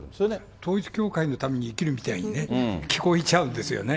統一教会のために生きるみたいにね、聞こえちゃうんですよね。